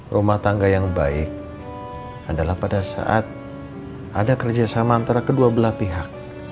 rumah tangga yang baik adalah pada saat ada kerjasama antara kedua belah pihak